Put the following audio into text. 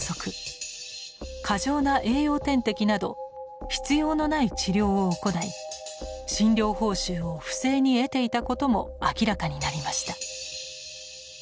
過剰な栄養点滴など必要のない治療を行い診療報酬を不正に得ていたことも明らかになりました。